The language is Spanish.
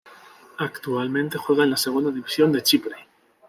Actualmente juega en la Segunda División de Chipre.